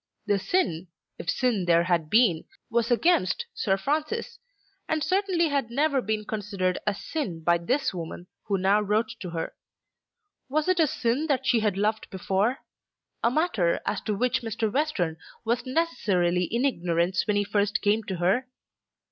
The sin, if sin there had been, was against Sir Francis, and certainly had never been considered as sin by this woman who now wrote to her. Was it a sin that she had loved before, a matter as to which Mr. Western was necessarily in ignorance when he first came to her?